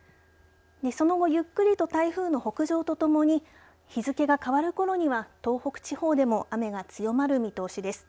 その後ゆっくりと台風の北上とともに日付が変わるころには東北地方でも雨が強まる見通しです。